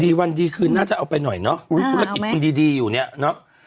วันดีคืนน่าจะเอาไปหน่อยเนาะธุรกิจคุณดีดีอยู่เนี่ยเนอะ